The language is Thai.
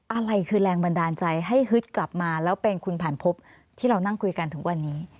อะไรคือแรงบันดาลใจให้ฮึดกลับมาแล้วเป็นคุณผ่านพบที่เรานั่งคุยกันถึงวันนี้